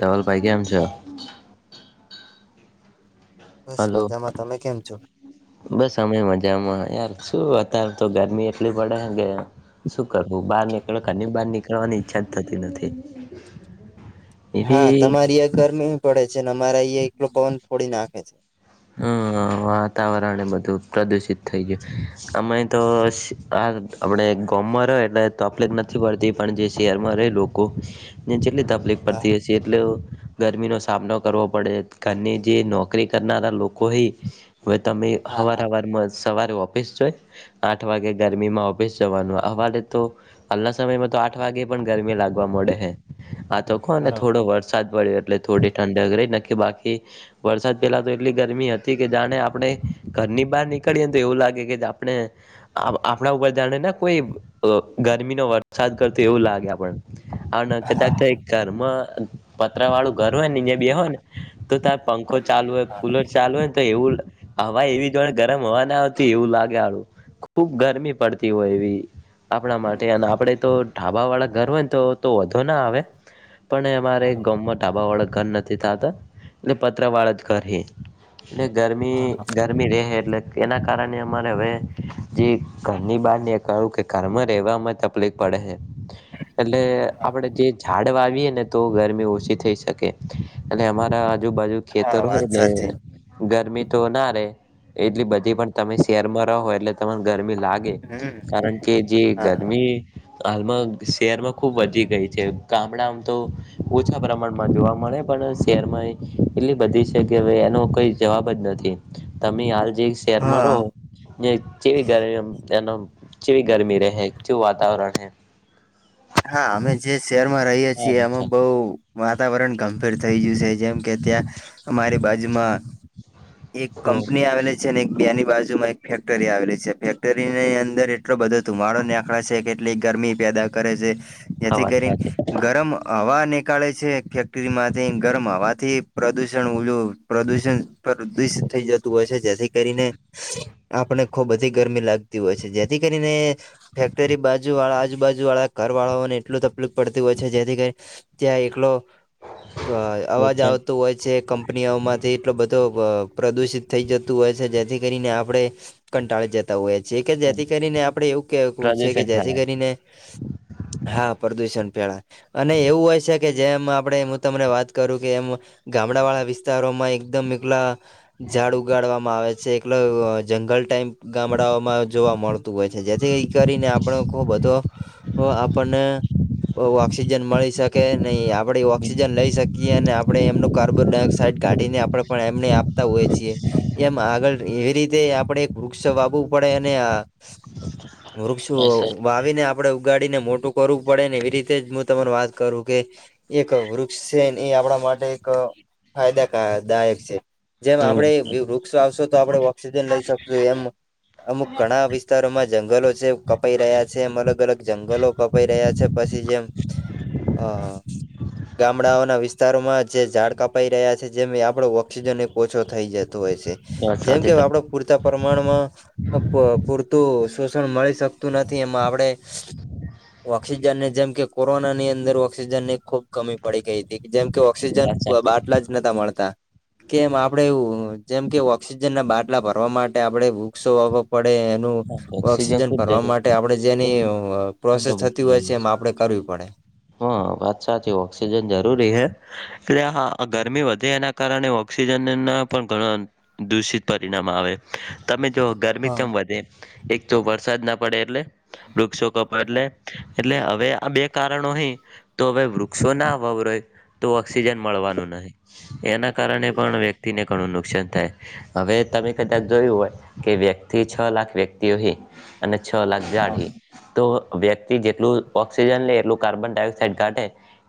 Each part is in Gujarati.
ધવલ ભાઈ કેમ છો? બસ હલો મજામાં, તમે કેમ છો? બસ અમે મજામાં, યાર શું અત્યારે તો ગરમી એટલી પડહે કે શું કરવું, બહાર નીકળ, ઘર ની બહાર નીકળવાની ઈચ્છા જ થતી નથી. હા, એવી તમારી ગરમી પડે છે ને અરા અ એકલો પવન ફોડી નાખે છે. હા અહ વાતાવરણ એ બધું પ્રદુષિત થઈ ગયું. અમાં તો આ આપડે ગામમાં રહે એટલે તફલી જ નથી પડતી પણ જે શહેરમાં રહે લોક કો ને જેટલી તકલીફ હા પડતી હશે એટલો ગરમી નો સામનો કરવો પડે ઘની જે નોકરી કરનાર લોકો હી હવે તમે હા હવાર હા હવારમાં સવારે ઓફીસ જાએ આઠ વાગે ગરમીમાં ઓફિસ જવાનું હવારે તો હાલના સમયમાં તો આઠ વાગે પણ ગરમી લાગવા મળડે હે આ તો ખો ને બરોબર થોડો વરસાદ પડ્યો એટલ થોડી ઠંડ વગરે ન કે બાકી વરસાદ પહેલા તો એ એટલી ગરમી હતી કે જાણે આપડે ઘરની બહાર નીકળીએ તો એવું લાગે કે આપણે આ આપડા ઉપર જાણે ને કોઈ અહ ગર્મી નો વરસાદ કરતો એવું લાગે આપડ અણ કદા તઈ ઘરમાં પતરા વાળું ઘર હોય ને અહિયાયા બે હોય ને તો તારે પંખો ચાલુ હોય કુલર ચાલુયને તો એવું હવા એવી જોડ ગરમ હવા ના આવતી એવું લાગે હારું. ખુબ ગરમી પડતી હોય એવી. આપડા માટે અને આપડે તો ઢાબા વાળા ઘર હોય ને તો તો વધો ના આવે પણ એ મારે બરોબર ગામમાં ઢાબા વાળા ઘર નથી થતા એટલે પત્ર વાળા જ ઘર હે. ને ગરમી હા હા. ઘર ની રહે એટલે એના કારણે અમારે હવે જે ઘરની બાર ને કું કે ઘરમાં રહેવાવામાં તબ તકલીફ પડે હે એટલે આપડે જે ઝાડ વાવીએ ને તો ગરમી ઓછી થઈ શકે એટ અમારા આજુબાજુ હા ખેતર હોય વાત ને સાચી ગરમી તો ના રે એટલી બધી પણ તમે શહેરમાં રહો એટલે તને ગરમી લાગ ગે હમ કારણ કે જે હા હા. ગરમી હાલમાં શહેરમાં ખુબ વધી ગઈ છે ગામડામાં તો ઓછા પ્રમાણમાં જોવા મળે પણ શેર માં એટલી બધી છે કેવે એનો કઈ જવાબ જ નથી તમે હાલ જે શેરમાં હા રહો કેવી ગરમી એ કેવી ગરમી રહે કેવું વાતાવરણ રહે. હા અમે જે શહેરમાં રહીએ છીએ હા એમાં બહુ વાતાવરણ ગંભીર થઈ ગયું છે જેમ કે ત્યાં અમારી બાજુમાં એક હમ કંપની આવેલે છે ને એક બેની બાજુ માં એક ફેક્ટરી આવેલી છે ફેક્ટરી ની અંદર એટલો બધો ધુમાડો ને આ અહ છે કેટલી ગરમી પેદા કરે છે જેથી અવાજ કરીને સાથે ગરમ હવા નીકાળે છે ફેક્ટરીમાંથી ગરમ હવાથી પ્રદુષણ ઓલું પ્રદુષણ પ્રદૂષ થઈ જતું હોય છે જેથી કરીને આપણે ખૂબ બધી ગરમી લાગતી હોય છે જેથી કરીને ફેક્ટરી બાજુ વાળા આજુબાજુ વાળા કાર વાળાઓને એટલું તકલીફ પડતી હોય છે જેથી કરી ત્યાં એકલો અવાજ ઓછા આવતો હોય છે કંપનીઓ માંથી એટલો બધ તો અહ પ્રદુષિત થઈ જતું હોય છે જેથી કરીને આપડે કંટાળી જતા હોય છેએ કે જેથી કરીને આપડે એવું કવું છે કે પ્રદૂષણ જેથી ફેલાય કરીને હા પ્રદુષણ પેળા અને એવું હોય છે કે જેમ આપડે હું તમને વાત કરું કે એમ ગામડાવાળા વિસ્તારોમાં એકદમ એકલા ઝાડ ઉગાડવામાં આવે છે એકલે જંગલ ટાઈપ ગામડાઓમાં જોવા મળ ખુબજ હોય છે જેથી કરીને આપણ ખ બધો આપણને અહ ઓક્સસીજન મળી શક કે નહીં આપડે ઓક્સિજન લઈ શકીએ અને આપડે એમનું કાર્બન ડાયોક્સાઇડ કાઢીને આપડા પણ એમને આપતા હોય છીએ. એમ આગળ એવી રીતે આપણે એક વૃક્ષ વાવવું પડે અને અહ [inaudible] વૃક્ષો અસર વાવીને આપ આપણે ઉગાડીને મોટું કરવું પડે, ને એવી રીતે જ હું તમને વાત કરું કે એક વૃક્ષ છે એ આપણા માટે એક ફાયદાકા દાયક છે. જેમ હમ આપણે વૃ વૃક્ષ વાવશું તો આપણે ઓક્સિજન લઈ શકશું એમ. અમુક ઘણા વિસ તારોમાં જંગલો છે, કપાઈ રહ્યા છે. એમ અલગ-અલગ જંગલો કપાઈ રહ્યા છે. પછી જેમ અહ ગામડાઓના વિસ્તારોમાં જે ઝાડ કપાઈ રહ્યા છે જેમે આપડો વ ઓક્સિજન એક ઓછો થઈ જતો હોય છે. વાત જેમ કે સાચી હવે આપણે તમારી પૂરતા પ્રમાણમાં પૂરતું શોષણ મળી શકતું નથી. એમાં આપણે ઓક્સિજન ને જેમ કે કોરોના ની અંદર ઓક્સિજન ને ખુબ કમી પડી ગઈ તી. જેમ કે ઓક્સિજન વાત સાચી બાટલા જ નતા મળતા કેમ આપણે એવું જેમ કે ઓક્સિજન ના બાટલા ભરવા માટે આપણે વૃક્ષો વાવો પડે નું ઓક્સિજન ખુબ ભરવા જરૂરી માટે આપણે જેની અહ પ્રોસેસ બરોબર થતી હોય છે એમ આપણે કરવી પડે. હા વાત સાચી. ઓક્સિજન જરૂરી હે. એટલે હા આ ગરમી વધે એના કારણે ઓક્સિ સિજનના પણ ઘણા દૂષિત પરિણામ આવે. તમે જોઓ ગરમી કેમ હા વધે એક તો વરસાદ ના પડે એટલે, વૃક્ષો કપાઈ એટલે એટલે હવે આ બે કારણો હે તો હવે વૃક્ષો ના વવરેઈ. તો ઓક્સિજન મળવાનું નહીં. એના કારણે પન વ્યક્તિને ઘણું નુકસાન થાય. હવે તમે કદાચ જોયું હોય કે વ્યક્તિ છ લાખ વ્યક્તિઓ અહીં અને છ લાખ [unintelligible] તો વ્યક્તિ જેટલું ઓક્સિજન લે એટલું કાર્બન ડાયોક્સાઇડ કાઢે,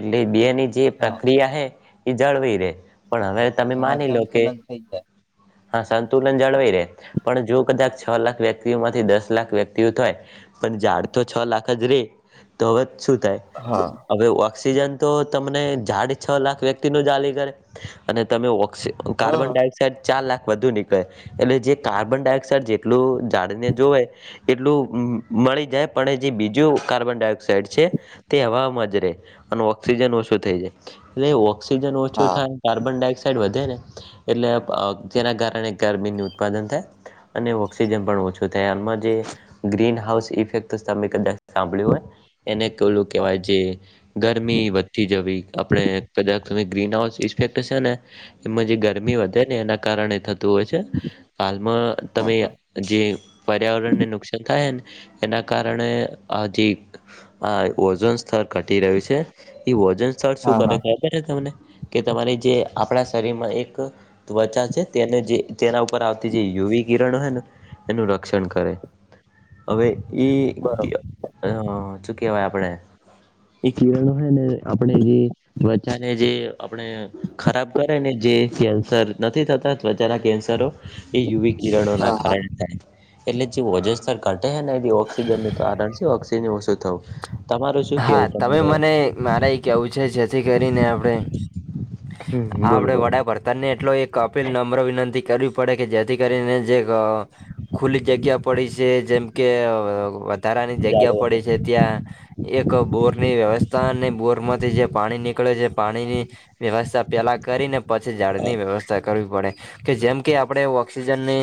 એટલે એ બે ની જ જે હા પ્રક્રિયા હે, એ જાળવી રહે. પણ અવે તમે હા માની લો કે સંતુલન થઈ જાય. હા સંતુલન જાળવી રહે, પણ જો કદાચ છ લાખ વ્યક તિઓમાંથી દસ લાખ વ્યક્તિઓ થએ પન ઝાડ તો છ લાખ જ રહે તો હવે જ શું થાય? હા. હવે ઓક્સિજન તો તમને ઝાડ છ લાખ વ્યક્તિ નું [unintelligible] કરે. અને તમે ઓક ક્સિ કાર્બન હા ડાયોક્સાઇડ ચાર લાખ વધુ નીકળે, એટલે જે કાર્બનડાયોક્સાઇડ જેટલું ઝાડને જોવે એટલું અમ્મ-અમ્મ મળી જાય પણ હજી બીજું કાર્બનડાયોક્સાઇડ છે તે હવામાં જ રહે, અને ઓક્સિજન ઓછું થઈ જાય. એટલે ઓક્સિજન ઓછું હા થાય કાર્બન ડાયોક્સાઇડ વધે ને એટલે અહ જેના કારણે ગરમીનું ઉત્પાદન થાય અને ઓક્સિજન પણ ઓછ છું થાય. આમાં જે ગ્રીન હાઉસ ઇફેક્ટસ તમે કદાચ સાંભળ્યું હોય એનેક ઓલું કહેવાય જે ગરમી વધતી જવી આપણે કદાત તમે ગ્રીન હાઉસ ઇસ્ફેક્ટેસ સેને એમાં જે ગરમી વધે ને એના કારણે થત તું હોય છે. હાલમાં તમે જે પર્યાવરણને નુકસાન થાયન એના કારણે આ [unintelligible] હા ઓઝોન સ્થળ ઘટી રહ્યુ છે. તે ઓઝોન સ્થળ શું હા કરે હા કે [unintelligible] તમને કે તમારી જે આપણા શરીરમાં એક ત્વચા છે તેને જે તેના ઉપર આવતી જે યુ વી કિરણ હોયને એનું ર [unintelligible] કરે. હવે ઈ બરોબર [unintelligible] શું કહેવાય આપણે ઈ કિરણો હેને આપણને જે ત્વચાને જે આપણે ખરાબ કરે ને જે કેન્સર, નથી થતા ત્વચાના કેન્સરો. એ યુવી કિરણોના હા હા. કારણ થાય. એટલે જે ઓઝસ સ્તર કટે હેને એબી ઓક્સિજનું કારણ છે ઓક્સિજ ઓસુ થવું. તમારું શું હા કેવું તમે તમારે મને મારે એ કેવું છે જેથી કરીને આપડે આ બોલો આપડે બોલો વડાપળ તને એટલો એક કપીલ નમ્ર વિનંતી કરવી પડે કે જેથી કરીને જે ગ ખુલ્લી જગ્યા પડી સે જેમ કે વ-વ-વ વધારાની જગ્યા ઝાડો પડી છે ત્યાં એક બોરની વ્યવસ્થા અને બોરમાંથી જે પાણી નીકળે છે પાણીની વ્યવસ્સા પેલા કરીને પછી ઝાડની વ્યવસ્થા કરવી પડે કે જેમ કે આપડે ઓક્સિજની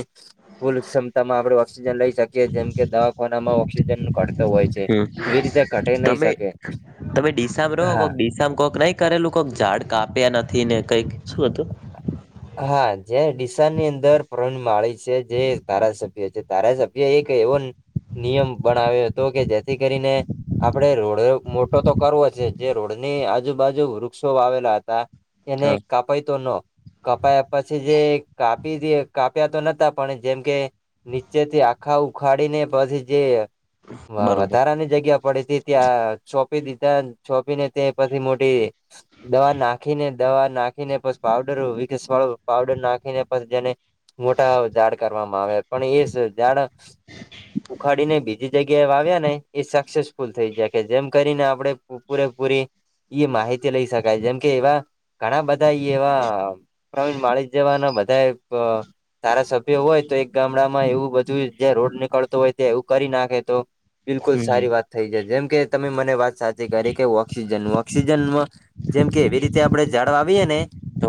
ફૂલ ક્ષમતામાં આપણે ઓક્સિજન લઈ શકીએ જેમ કે દવાખાનામાં ઓક્સિજન ઘડતો હોય છે. એવી રીતે ઘટે નહી તમે શકે તમે દિસાબ રહો કો હા દિ ઇસામ કોક નઈ કરેલું કોક ઝાડ કાપ્યા નથી ને કઈક શું હતું? હા જે દિશાની અંદર પ્રન માળી છે જે તારાસભ્ય છે તારાસભ્ય એક એવો અન નિયમ બનાવ્યો હતો કે જેથી કેરીને આપળે રોળે મોટો તો કરવો છે જે રોડની આજુબાજુ વૃક્ષો આવેલા હતા એને હા કાપાય તો નો કપાયા પછી જે કાપી દિયે કાપ્યા હતા ને તા પણે જેમ કે નીચેથી આખા ઉખાડીને પછી જે એ- વા બરોબર વધારાની જગ્યા પડે તે ત્યાં સોપી દીધા છોંપી ને ત્યે પછી મોટી દવા નાખીને દવા નાખીને પસ પાવડર ઓય કેસ પારર પાવડર નાખીને પછ જેને મોટા ઝાડ કરવામાં આવે પણ એસ ઝાડ ઉખાડીને બીજી જગ્યાએ વાવ્યા ને એ સક્સેસફુલ થઈ જીયા કે જેમ કરીને આપડે પૂરેપૂરી ઈ માહિતી લઈ શકાય જેમ કે એવા ઘણા બધા ઇયેવા આ પ્રવીણ માળી જવાના બધાયે બ ધારા સભ્ય હોય તો એક ગામડામાં એવું બધું જ્યાં રોડ નીકળતો હોય ત્યાં એવું કરી નાખે તો બિલકુલ હમ સારી વાત થઈ જાય જેમ કે તમે મને વાત સાચી કરી કે ઓક્સિજન ઓક્સિજનમાં જેમ કે એવી રીતે આપડે ઝા ડ વાવીએને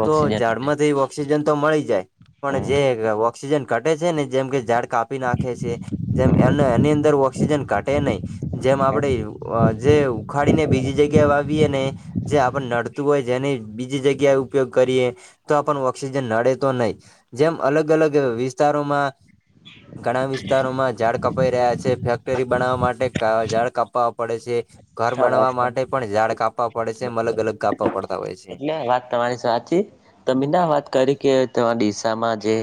તો ઝાડ માંથી ઓક્સિજન તો મળી જાય પણ હમ. જે ઓક્સિજન ઘટે છે ને જેમ કે ઝાડ કાપી નાખે છે જેમ એની અંદર ઓક્સિજન ઘટે નઈ જેમ આપડે જે ઉખાડીને બીજી જગ્યાએ વાવીવએ ને જે આપને નડતું હોય જેની બીજી જગ્યા એ ઉપયોગ કરીએ તો આપ ઓક્સિજન નડે તો નઇ જેમ અલગ અલગ વિસ્તારોમાં [inaudible] ઘણા વિસ્તારોમાં ઝાડ કપાઈ રહ્યા છે ફેક્ટરી બનાવા માટે ઝાડ કપવા પડે છે. ઘર હા વાત બનવા માટે પણ ઝાડ કાપવા પડે છે એમ બરોબર અલગ અલગ કાપવા પડતા હોય છે. એટલે આ વાત તમારી સાચી તમે ના વાત કરી કે ત દિશામાં જે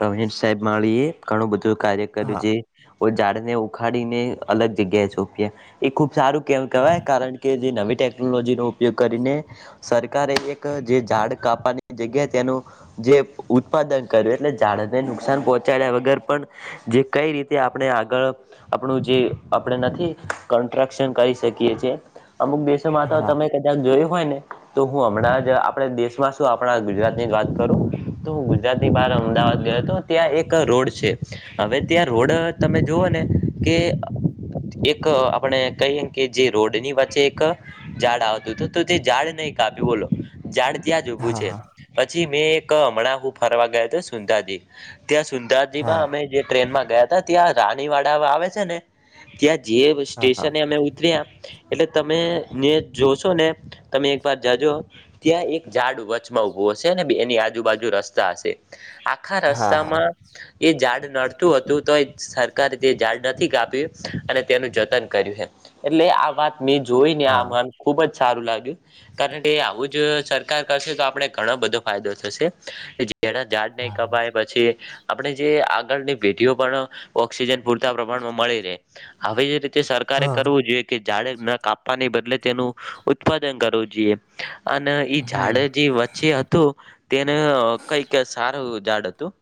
પ્રવિણ સાહેબ માળીએ ઘણું બધું કાર્ય કર્યું હા જે ઓ ઝાડને ઉખાડીને અલગ જગ્યાએ છોપ્યા એ ખુબ સારું કેમ કેવાય કારણ કે જે નવી ટેકનોલોજીનો ઉપયોગ કરી ને સરકારે એક જે ઝાડ કાપાની જગ્યા તેનું. જે ઉત્પાદન કરે ને ઝાડને નુકસાન પહોંચાડ્યા વગર પણ જે કઈ રીતે આપણે આગળ આપણું જે આપણે નથી કોન્ટ્રાક્શન કરી શકીએ છીએ અમુક દેશોમાં તો હા તમે જેમ જોયું હોય ને તો હું હમણાં જ આપણે દેશમાં શું આપણા ગુજરાત ની વાત કરું. તો હું ગુજરાત ની બહાર અમદાવાદ ગયો તો ત્યાં એક રોડ છે હવે ત્યાં રોડ તમે જોવો ને કે એક આપણે કહી કે જે રોડની વચ્ચે એક ઝાડ આવતું તું તો તે ઝાડ નહી કાપ્યું બોલો ઝાડ ત્યાં જ ઉભું હા હા છે. પછી મેં એક હમણાં હું ફરવા ગયા છે સુંદાજી ત્યાં સુંદાજી માં હા અમે જે ટ્રેન માં ગયા તા ત્યાં રાનીવાડા આવે છે ને ત્યાં જે હા હા સ્ટેશને અમે ઊ ત્રિયા એટલે તમે ને જોશો ને તમે એક વાર જાજો ત્યાં એક ઝાડ વચમાં ઉભો હશે ને બે ની આજુબાજુ રસ્તા હશે આ આખા હા હા રસ્તામાં એ ઝાડ નડતું હતું તોય સરકારે તે ઝાડ નથી કાપ્યું અને તેનું જતન કર્યું હે એટલે આ વાત મેં જોઈને આ હા મન ખુબ જ સારું લાગ્યું કારણ કે આવું જ સરકાર કરશે તો આપણે ઘણો બધો ફાયદો થશે. કે જે એના ઝાડ નઇ કપાય પછી આપણે જે આગળની પેઢીઓ પણ ઓક્સિજન પૂરતા પ્રમાણમાં મળી રેય આવીજ તે સરકારે હા કરવું જોઈએ કે ઝાડે ન કાપાને બદલે તેનું ઉત્પાદન કરવું જોઈએ. અને ઈ હમ ઝાડે જે વચ્ચે હતું તેને અ કઈક સારું ઝાડ હતું.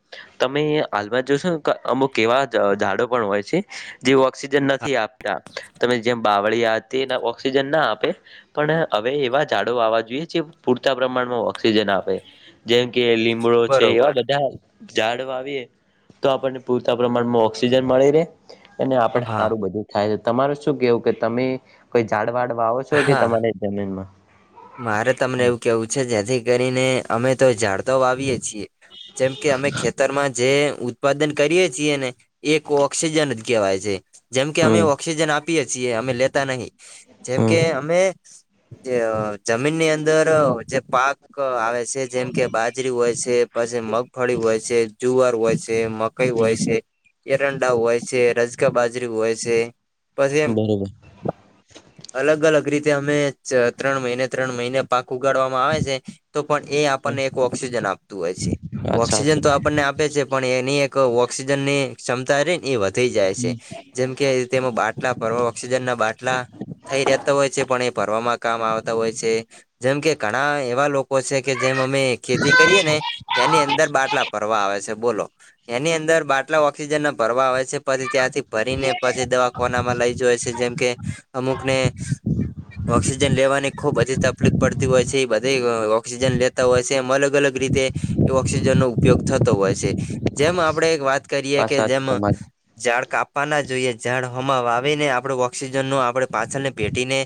તમે હાલમાં જોશોને અ અમુક એવા જ ઝાડો પણ હોય છે. જે ઓક્સિજન નથી આપતા તમે જેમ બાવળીયા અતી એને ઓક્સિજન ના આપે પણ અવે એવા ઝાડો વાવા જોઈએ જે પૂરતા પ્રમાણમાં ઓક્સિજન આપે જેમ કે લીમડો છે એવા બરોબર બધા ઝાડ વાવીએ તો આપણને પૂરતા પ્રમાણમાં ઓક્સિજન મળી રે. અને આપણે હા હારું બધું થાય તમારે શું કેવું કે તમે કોઈ ઝાડ વાડ વાવો છો કે હા તમારી જમીનમાં મારે તમને હમ એવું કેવું છે જેથી કરીને અમે તો ઝાડ તો વાવીએે છીએ જેમ કે અમે ખેત ખેતરમાં જે ઉત્પાદન કરીએ છીએ ને એક ઓક્સિજન જ કહેવાય છે. જેમકે અમે હમ ઓક્સિજન આપીએ છીએ અમે લેતા નહી જેમ કે હમ અમે જે અ જમીનની અંદર જે પાક ક આવે છે જેમ કે બાજરી હોય છે પછી મગફળી હોય છે જુવાર હોય છે મક કઈ હોય છે એરંડા હોય છે રજકા બાજરી હોય છે પછી એમ બરોબર અલગ અલગ રીતે અમે ચ ત્રણ મહિને ત્રણ મહિને પાક ઉગાડવામાં આવે છે. તો પણ એ આપણને એક ઓક્સિજન આપતું હોય છે અચ્છા ઓક્સિજન તો અચ્છા આપણને આપે છે. પણ એની એક ઓક્સિજન ની ક્ષમતા રી ઈ વધ તી જાય છે જેમ કે તેમાં બાટલા ભરો ઓક્સિજન ના બાટલા થઈ રહેતા હોય છે પણ એ ભરવામાં કામ આવતા હોય છે જેમ કે ઘણા એવા લોકો છે કે જેમ અમે ખેતી કરીએ ને એની અંદર બાટલા ભરવા આવે છે બોલો એની અંદર બાટલા ઓક્સિજનના ભરવા આવે છે પછી ત્યાંથી ભરી ને પછી દવાખોનામા લઈ જોય છે જેમ કે અમુકને ઓક્સિજન લેવાની ખૂબધી તકલીફ પડતી હોય છે એ બધી ઑક્સિજન લેતા હોય છે એમ અલગ અલગ રીતે ઓક્સિજનનો ઉપયોગ થતો હોય છે જેમ આપણેે એક વાત કરીએ કે સાચી જેમાં તમારી ઝાડ કાપવા ના જોઈએ ઝાડ હોમા વાવી ને આપડે ઓક્સિજનનો આપણે પાછળને પેઢીને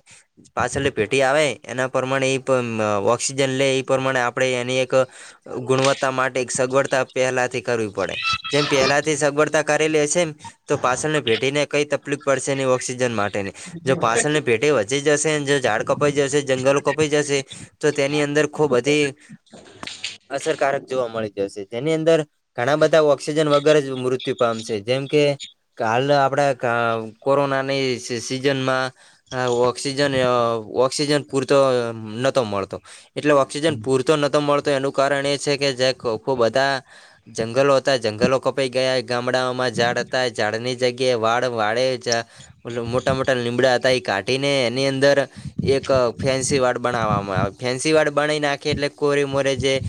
પાછળ પેઢી આવે એના પ્રમાણે એ પણ ઓક્સિજન લે એ પ્રમાણે આપણેે એની એક ગુણવત્તા માટે સગવડતા પહેલા થી કરવી પડે. જેમ પહેલાથી સગવડતા કરેલી હસેન. તો પાછળ ને ભેઠીને કઈ તકલીફ પડશે નહી ઓક્સિજન માટેની. જો પાછળની પેઢી વધી જશે ને જો ઝાડ કપાઈ જશે જંગલો કપાઈ જશે. તો તેની અંદર ખુબધી, અસરકારક જોવા મળી જશે તેની અંદર. ઘણા બધા ઓઑક્સિજન વગર જ મૃત્યુ પામશે જેમ કે હાલ આપડે કોરોનાની સિ-સિઝનમાં હ ઓક્સિજન ઓક્સિજન પૂરતો નહતો મળતો, એટલે ઓક્સિજન પૂર તો નતો મળતો એનું કારણ એ છે કે જે ખુબધા, જંગલો હતા જંગલો કપાઈ ગયા ગામડાઓમાં ઝાડ હતા ઝાડ ની જગ્યાએ વાડ વાડે ઓલું મોટા મોટા લીમડા હતા એ કાઢીને એની અંદર એક ફેન્સી વાડ બણાવામા આવે ફેન્સી વાડ બનાવી નાખે એટલે કોરી મોરે જે